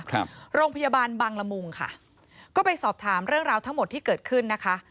ครับโรงพยาบาลบังละมุงค่ะก็ไปสอบถามเรื่องราวทั้งหมดที่เกิดขึ้นนะคะ